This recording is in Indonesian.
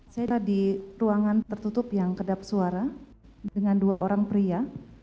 saya ada di ruangan tertutup yang kedap suara dengan dua orang pria